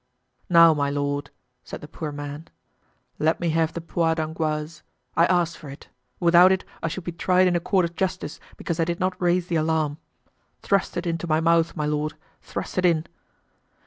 "Now, my lord," said the poor man, "let me have the poire d'angoisse. I ask for it; without it I should be tried in a court of justice because I did not raise the alarm. Thrust it into my mouth, my lord, thrust it in."